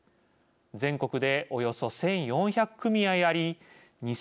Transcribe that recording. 全国でおよそ１，４００組合あり２，８００万